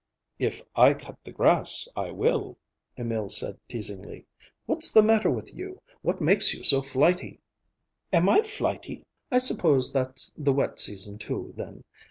"If I cut the grass, I will," Emil said teasingly. "What's the matter with you? What makes you so flighty?" "Am I flighty? I suppose that's the wet season, too, then.